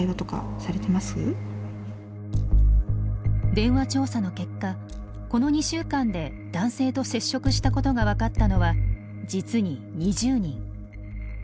電話調査の結果この２週間で男性と接触したことが分かったのは実に２０人。